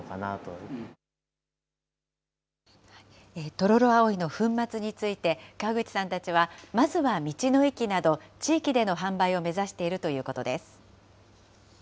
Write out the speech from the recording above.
トロロアオイの粉末について、川口さんたちは、まずは道の駅など、地域での販売を目指しているということです。